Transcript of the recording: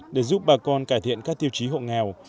để giúp bà con cải thiện các tiêu chí hộ nghèo